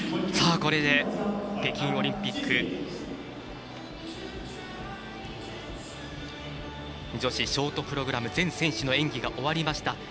これで北京オリンピック女子ショートプログラム全選手の演技が終わりました。